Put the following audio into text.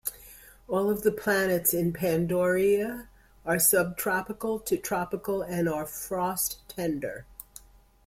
All of the plants in "Pandorea" are subtropical to tropical and are frost-tender.